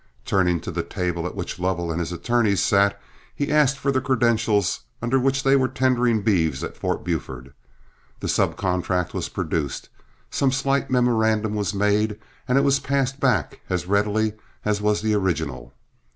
Turning to the table at which Lovell and his attorneys sat, he asked for the credentials under which they were tendering beeves at Fort Buford. The sub contract was produced, some slight memorandum was made, and it was passed back as readily as was the original.